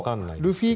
ルフィ